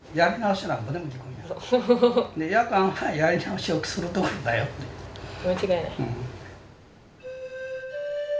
間違いない。